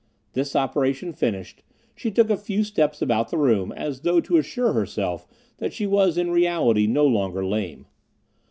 This operation finished, she took a few steps about the room, as though to assure herself that she was in reality no longer lame.